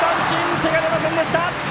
手が出ませんでした。